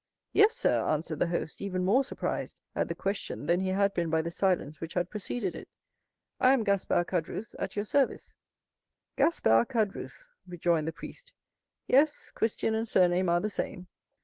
"Yes, sir," answered the host, even more surprised at the question than he had been by the silence which had preceded it; "I am Gaspard Caderousse, at your service." "Gaspard Caderousse," rejoined the priest. "Yes,—Christian and surname are the same.